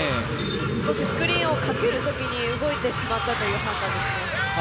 少しスクリーンをかけるときに動いてしまったという判断ですね。